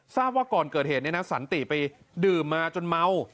ทราบว่าก่อนเกิดเหตุเนี่ยนะสันติไปดื่มมาจนเมา